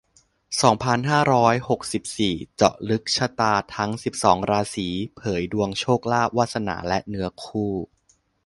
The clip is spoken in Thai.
สองพันห้าร้อยหกสิบสี่ เจาะลึกชะตาทั้ง สิบสอง ราศี เผยดวงโชคลาภ วาสนา และเนื้อคู่